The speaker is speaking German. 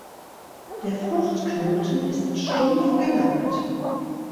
Der Fruchtknoten ist stumpf gelappt.